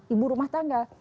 ibu rumah tangga